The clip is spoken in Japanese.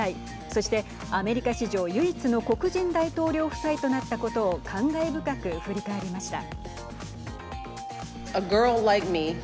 そして、アメリカ史上唯一の黒人大統領夫妻となったことを感慨深く振り返りました。